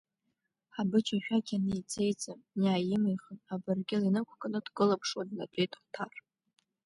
Ҳабыџь ашәақь анеиҵеиҵа, иааимихын, абыркьыл инықәкны дкылԥшуа днатәеит Оҭар.